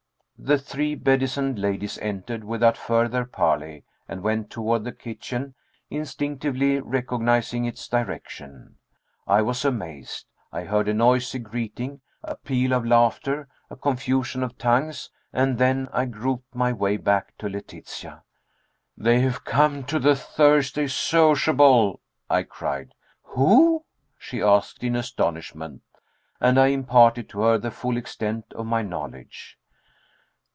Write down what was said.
The three bedizened ladies entered without further parley and went toward the kitchen, instinctively recognizing its direction. I was amazed. I heard a noisy greeting, a peal of laughter, a confusion of tongues, and then I groped my way back to Letitia. "They've come to the Thursday sociable!" I cried. "Who?" she asked in astonishment, and I imparted to her the full extent of my knowledge.